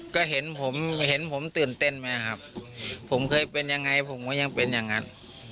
ก็เห็นผมเห็นผมตื่นเต้นไหมครับผมเคยเป็นยังไงผมก็ยังเป็นอย่างนั้น